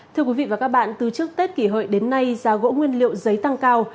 thưa quý vị và các bạn từ trước tết kỷ hợi đến nay giá gỗ nguyên liệu giấy tăng cao